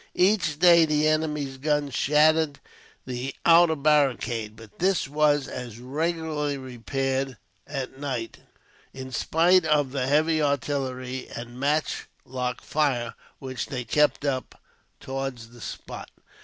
Each day the enemy's guns shattered the outer barricade, but this was as regularly repaired at night, in spite of the heavy artillery and matchlock fire which they kept up towards the spot.